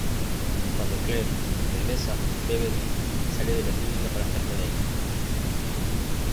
Cuando Claire regresa, Beverly sale de la clínica para estar con ella.